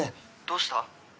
どうした？